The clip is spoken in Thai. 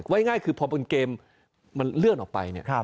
ง่ายคือพอบนเกมมันเลื่อนออกไปเนี่ย